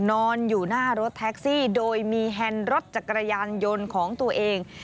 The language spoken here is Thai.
นอนอยู่หน้ารถแท็กซี่โดยมีแฮนด์รถจักรยานยนต์ของตัวเอง